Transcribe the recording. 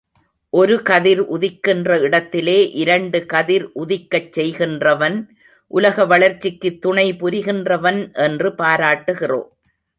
ஒரு கதிர் உதிக்கின்ற இடத்திலே இரண்டு கதிர் உதிக்கச் செய்கின்றவன் உலக வளர்ச்சிக்குத் துணை புரிகின்றவன் என்று பாராட்டுகிறோம்.